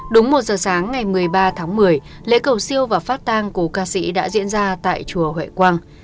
đúng một giờ sáng ngày một mươi ba tháng một mươi lễ cầu siêu và phát tang cổ ca sĩ đã diễn ra tại chùa huệ quang